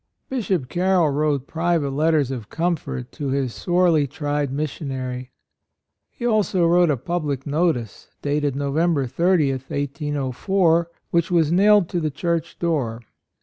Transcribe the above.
Bishop Carroll wrote private letters of comfort to his sorely tried missionary. He also wrote a public notice, dated Nov. 30, 1804, which was nailed to the church door.